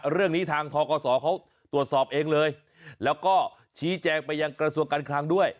เรื่องนี้ทางทกศเขาตรวจสอบเองเลยแล้วก็ชี้แจงไปยังกระทรวงการคลังด้วย